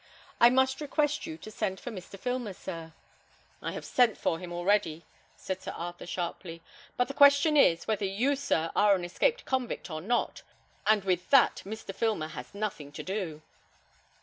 I must request you to send for Mr. Filmer, sir." "I have sent for him already," said Sir Arthur, sharply; "but the question is, whether you, sir, are an escaped convict or not, and with that Mr. Filmer has nothing to do."